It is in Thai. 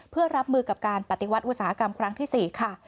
เพื่อรับมือกับการปฏิวัติอุตสาหกรรมครั้งที่๔ค่ะ